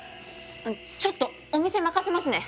ちょっとお店任せますね！